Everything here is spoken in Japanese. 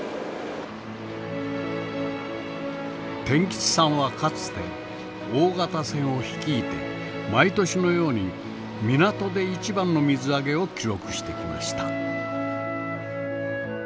天吉さんはかつて大型船を率いて毎年のように港で一番の水揚げを記録してきました。